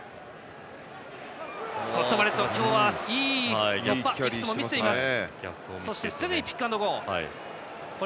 スコット・バレットが今日はいい突破をいくつも見せています。